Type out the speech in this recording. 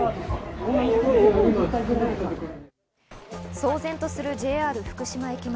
騒然とするＪＲ福島駅前。